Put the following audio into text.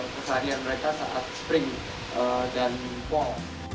kesaharian mereka saat spring dan fall